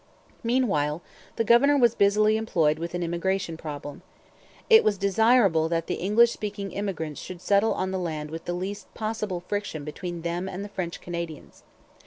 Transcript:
Meanwhile the governor was busily employed with an immigration problem. It was desirable that the English speaking immigrants should settle on the land with the least possible friction between them and the French Canadians.